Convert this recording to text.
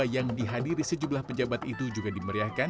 yang dihadiri sejumlah pejabat itu juga dimeriahkan